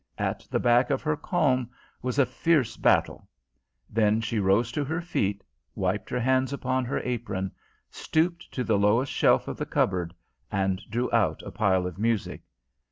At the back of her calm was a fierce battle; then she rose to her feet, wiped her hands upon her apron, stooped to the lowest shelf of the cupboard, and drew out a pile of music.